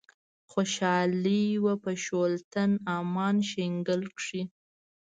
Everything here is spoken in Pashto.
خوشحالي وه په شُلتن، امان شیګل کښي